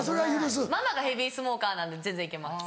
ママがヘビースモーカーなんで全然行けます。